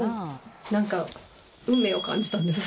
なんか運命を感じたんです。